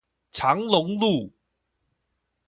長龍路